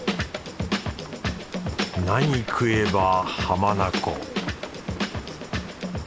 何食えば浜名湖